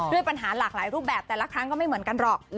ปัญหาหลากหลายรูปแบบแต่ละครั้งก็ไม่เหมือนกันหรอก